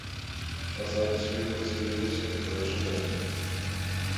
А зараз у яго з'явілася такое жаданне.